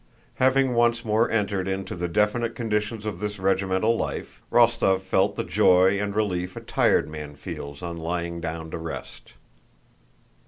Having once more entered into the definite conditions of this regimental life, Rostóv felt the joy and relief a tired man feels on lying down to rest.